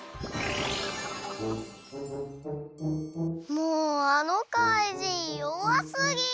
もうあのかいじんよわすぎ！